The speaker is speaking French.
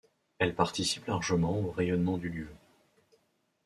Elle participe largement au rayonnement du lieu.